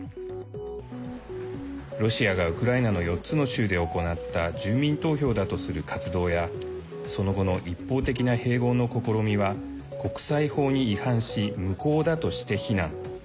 ロシアがウクライナの４つの州で行った住民投票だとする活動やその後の一方的な併合の試みは国際法に違反し無効だとして非難。